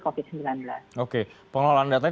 covid sembilan belas oke pengelolaan data